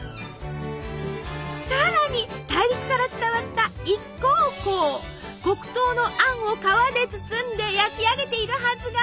さらに大陸から伝わった黒糖のあんを皮で包んで焼き上げているはずが。